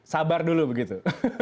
sabar dulu begitu